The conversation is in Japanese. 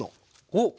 おっ！